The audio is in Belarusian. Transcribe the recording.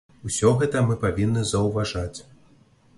Усё гэта мы павінны заўважаць.